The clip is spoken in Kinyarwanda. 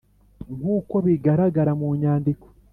nkuko bigaragara mu nyandiko